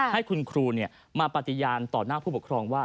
ให้คุณครูมาปฏิญาณต่อหน้าผู้ปกครองว่า